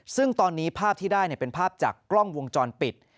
ซึ่งตอนนี้ภาพที่ได้เป็นภาพจากกล้องวงจรปิด